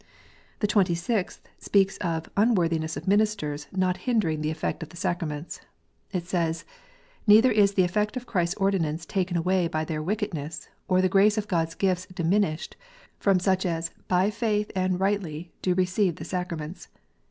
The Twenty sixth speaks of the unworthiness of ministers not 146 KNOTS UNTIED. hindering the effect of the sacraments. It says, " Neither is the effect of Christ s ordinance taken away by their wickedness, or the grace of God s gifts diminished, from such as by faith and rightly do receive the sacraments."